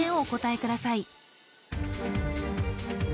お答えください